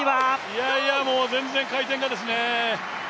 いやいや、全然回転がですね